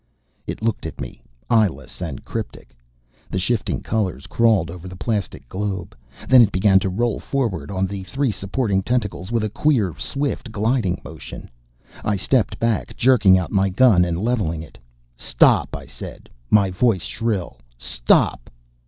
It looked at me, eyeless and cryptic. The shifting colors crawled over the plastic globe. Then it began to roll forward on the three supporting tentacles with a queer, swift gliding motion. I stepped back, jerking out my gun and leveling it. "Stop," I said, my voice shrill. "Stop!"